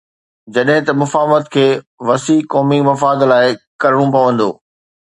جڏهن ته مفاهمت کي وسيع قومي مفاد لاءِ ڪرڻو پوندو.